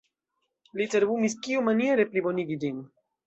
Li cerbumis kiumaniere plibonigi ĝin.